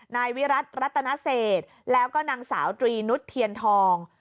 นายวิรัติรัตนเศษแล้วก็นางสาวตรีนุษย์เทียนทอง